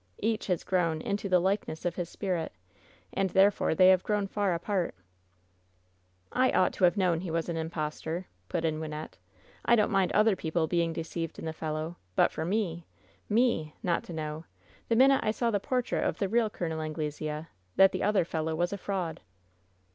Each has grown *into the likeness of his spirit,' and therefore they have grown far apart." "I ought to have known he was an impostor !" put in Wynnette. ^I don't mind other people being deceived in the fellow! but for me — me — not to know, the min ute I saw the portrait of the real Col. Anglesea, that the other fellow was a fraud!"